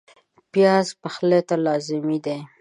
پیاز پخلي ته لازمي دی